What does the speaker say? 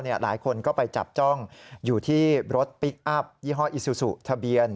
หลายคนก็ไปจับจ้องอยู่ที่รถพลิกอัพยี่ห้ออิซูซูทะเบียน